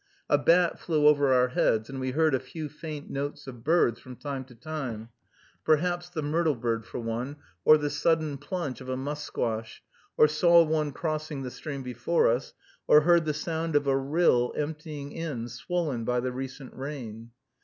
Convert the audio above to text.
A bat flew over our heads, and we heard a few faint notes of birds from time to time, perhaps the myrtle bird for one, or the sudden plunge of a musquash, or saw one crossing the stream before us, or heard the sound of a rill emptying in, swollen by the recent rain.